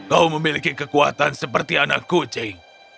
kau memiliki kekuatan seperti anak kucing